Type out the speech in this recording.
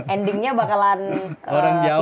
endingnya bakalan bisa jalan